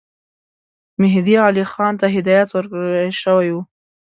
مهدي علي خان ته هدایت ورکړه شوی وو.